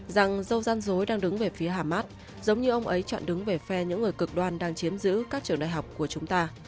rằng dâu gian dối đang đứng về phía hamas giống như ông ấy chọn đứng về phe những người cực đoan đang chiếm giữ các trường đại học của chúng ta